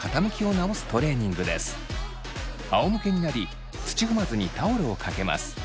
あおむけになり土踏まずにタオルをかけます。